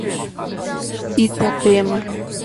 Itapema